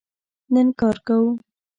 نن کار کوو